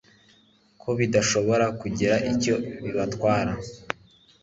ko bidashobora kugira icyo bibatwara